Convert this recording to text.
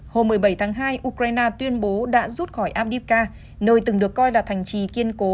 hôm một mươi bảy tháng hai ukraine tuyên bố đã rút khỏi abdifka nơi từng được coi là thành trì kiên cố